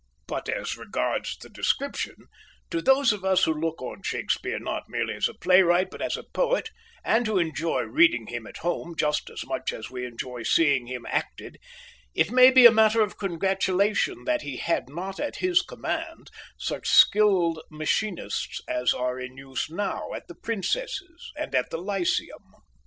But as regards the description, to those of us who look on Shakespeare not merely as a playwright but as a poet, and who enjoy reading him at home just as much as we enjoy seeing him acted, it may be a matter of congratulation that he had not at his command such skilled machinists as are in use now at the Princess's and at the Lyceum.